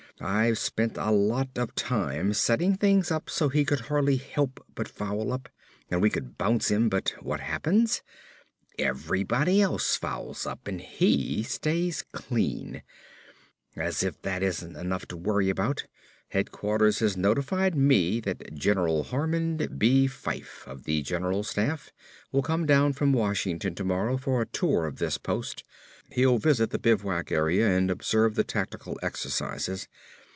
I've spent a lot of time setting things up so he could hardly help but foul up and we could bounce him, but what happens? Everybody else fouls up and he stays clean. And as if that isn't enough to worry about, headquarters has notified me that General Harmon B. Fyfe of the General Staff will come down from Washington tomorrow for a tour of this post. He'll visit the bivouac area and observe the tactical exercises.